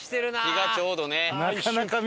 木がちょうどね。